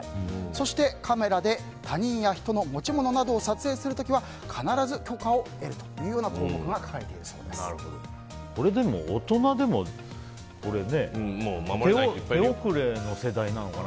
そしてカメラで他人や人の持ち物などを撮影する時は必ず許可を得るという項目が大人でも、これ手遅れの世代なのかな。